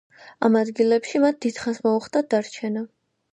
ამ ადგილებში მათ დიდ ხანს მოუხდათ დარჩენა.